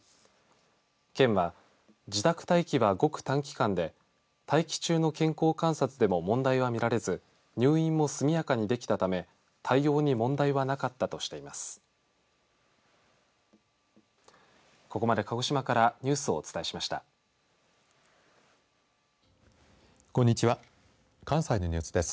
県は自宅待機はごく短期間で待機中の健康観察でも問題は見られず入院も速やかにできたため対応に問題はなかったとしています。